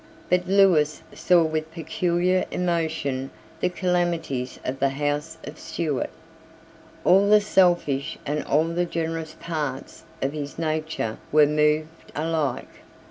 But Lewis saw with peculiar emotion the calamities of the House of Stuart. All the selfish and all the generous parts of his nature were moved alike.